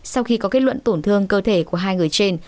sau khi có kết luận tổn thương cơ thể của hai người trên